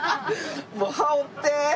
もう羽織って！